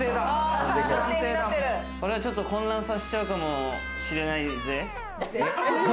これはちょっと混乱させちゃうかもしれないぜ。